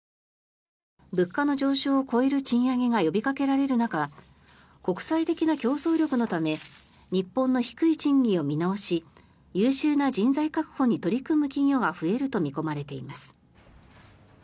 物価の上昇を超える賃上げが呼びかけられる中国際的な競争力のため日本の低い賃金を見直し優秀な人材確保に取り組む企業が増えると見込まれています。